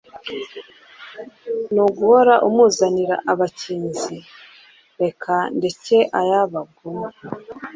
Ni uguhora amuzanira abakinzi reka ndeke ay'abagome